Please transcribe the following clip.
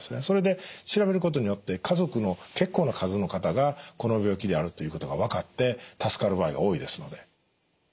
それで調べることによって家族の結構な数の方がこの病気であるということが分かって助かる場合が多いですので。